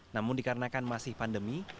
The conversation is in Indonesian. namun dikarenakan masih pandemi